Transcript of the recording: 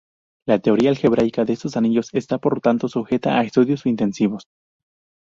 La teoría algebraica de estos anillos está por tanto sujeta a estudios intensivos.